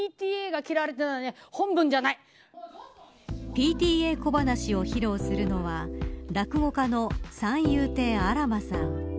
ＰＴＡ小話を披露するのは落語家の三遊亭あら馬さん。